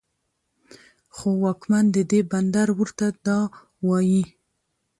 خو واکمن د دې بندر ورته دا وايي